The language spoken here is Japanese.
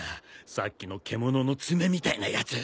さっきの獣の爪みたいなやつ。